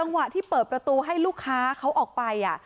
วะที่เปิดประตูให้ลูกค้าเขาออกไป